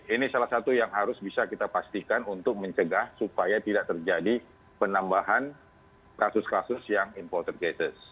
ini salah satu yang harus bisa kita pastikan untuk mencegah supaya tidak terjadi penambahan kasus kasus yang imported cases